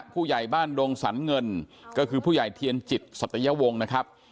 ผู้ใหญ่บ้านดงสรรเงินก็คือผู้ใหญ่เทียนจิตสัตยวงศ์นะครับ